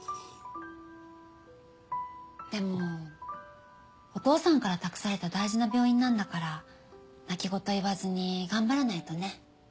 でもお父さんから託された大事な病院なんだから泣き言言わずに頑張らないとね。